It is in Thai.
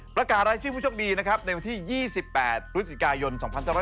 ประกาศรายชื่อผู้โชคดีนะครับในวันที่๒๘พฤศจิกายน๒๕๖๐